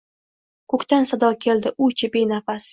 Ko‘kdan sado keldi, u-chi, benafas